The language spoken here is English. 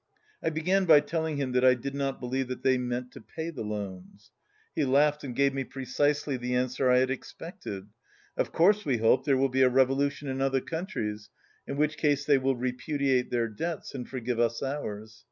I began by telling him that I did not believe that they meant to pay the loans. He laughed and gave me precisely the answer I had expected :— "Of course we hope there will be a revolution in other countries, in which case they will repudiate their debts and forgive us ours.